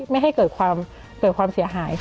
ไม่ให้เกิดความเสียหาย